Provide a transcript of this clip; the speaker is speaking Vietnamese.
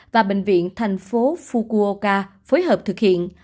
và bệnh viện thành phố fukuoka phối hợp thực hiện